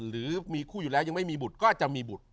หรือมีคู่อยู่แล้วยังไม่มีบุตรก็จะมีบุตร